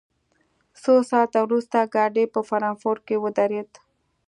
څو ساعته وروسته ګاډی په فرانکفورټ کې ودرېد